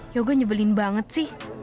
yoga nyebelin banget sih